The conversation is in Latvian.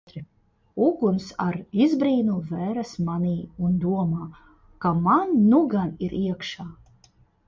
Uguns ar izbrīnu veras manī un domā, ka man nu gan ir iekšā.